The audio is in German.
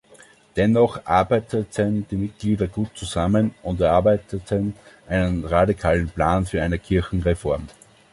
Dennoch arbeiteten die Mitglieder gut zusammen und erarbeiteten einen radikalen Plan für eine Kirchenreform.